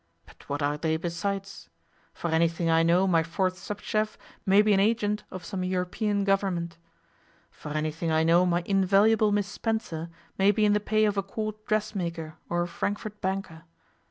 But what are they besides? For anything I know my fourth sub chef may be an agent of some European Government. For anything I know my invaluable Miss Spencer may be in the pay of a court dressmaker or a Frankfort banker.